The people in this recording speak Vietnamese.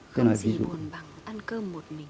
không gì buồn bằng ăn cơm một mình